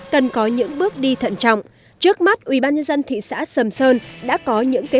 cảm ơn các bạn đã theo dõi